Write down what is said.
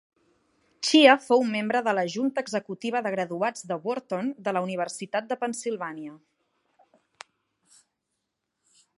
Chia fou membre de la junta executiva de graduats de Wharton de la universitat de Pennsilvània.